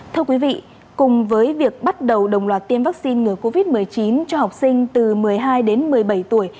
thưa quý vị cùng với việc bắt đầu đồng loạt tiêm vaccine ngừa covid một mươi chín cho học sinh từ một mươi hai đến một mươi bảy tuổi